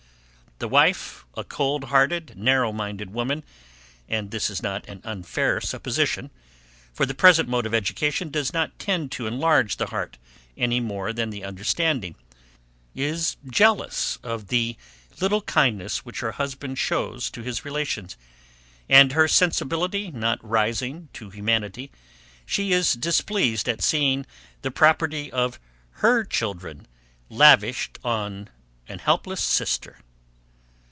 The wife, a cold hearted, narrow minded woman, and this is not an unfair supposition; for the present mode of education does not tend to enlarge the heart any more than the understanding, is jealous of the little kindness which her husband shows to his relations; and her sensibility not rising to humanity, she is displeased at seeing the property of HER children lavished on an helpless sister.